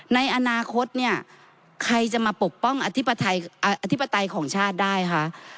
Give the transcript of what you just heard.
ในอนาคตเนี่ยใครจะมาปกป้องอธิปไตยของชาติได้คะ